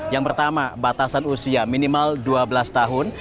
yang pertama batasan usia minimal dua belas tahun